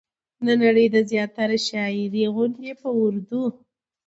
د نړۍ د زياتره شاعرۍ غوندې په اردو